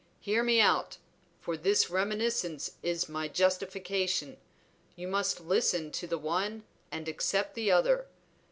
Hear me out; for this reminiscence is my justification; you must listen to the one and accept the other.